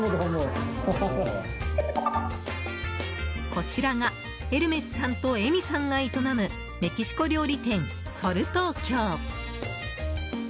こちらがエルメスさんと恵美さんが営むメキシコ料理店、ソル東京。